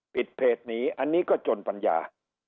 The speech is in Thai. เพจหนีอันนี้ก็จนปัญญา